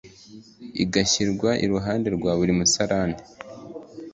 igashyirwa iruhande rwa buri musarani